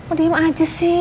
oh diem aja sih